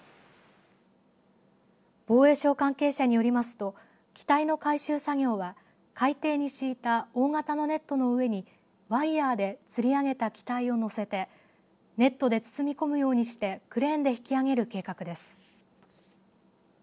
防衛省関係者によりますと機体の回収作業は相手に敷いた大型のネットの上にワイヤーでつり上げた機体を載せてネットで包み込むようにしてクレーンで引きあげる計画です。